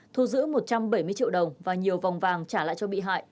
thu giữ một trăm bảy mươi triệu đồng và nhiều vòng vàng trả lại cho bị hại